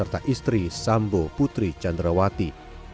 dan jambu putri chandrawati